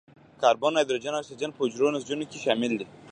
کاربن، هایدروجن او اکسیجن په حجروي نسجونو کې شامل دي.